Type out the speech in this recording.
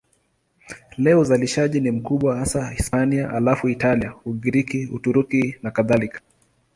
Leo uzalishaji ni mkubwa hasa Hispania, halafu Italia, Ugiriki, Uturuki nakadhalika.